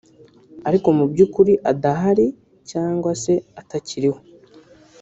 ariko mu by’ukuri adahari cyangwa se atakiriho